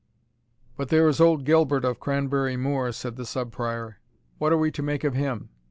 "But there is old Gilbert of Cranberry moor," said the Sub Prior; "what are we to make of him?